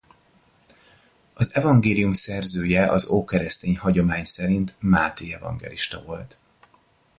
Az evangélium szerzője az ókeresztény hagyomány szerint Máté evangélista volt.